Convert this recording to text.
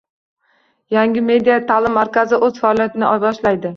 “Yangi media ta’lim markazi” o‘z faoliyatini boshlaydi